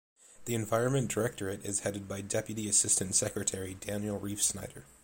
The Environment Directorate is headed by Deputy Assistant Secretary Daniel Reifsnyder.